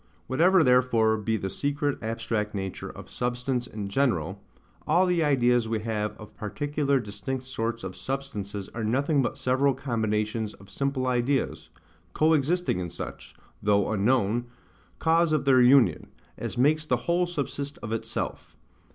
Whatever therefore be the secret abstract nature of substance in general, all the ideas we have of particular distinct sorts of substances are nothing but several combinations of simple ideas, co existing in such, though unknown, cause of their union, as makes the whole subsist of itself.